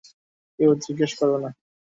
কেউ জিজ্ঞেস করবে না।